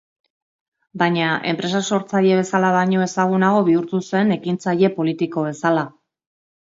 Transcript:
Baina enpresa-sortzaile bezala baino ezagunago bihurtu zen ekintzaile politiko bezala.